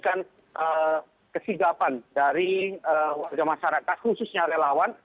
dan ini menjadikan kesigapan dari warga masyarakat khususnya relawan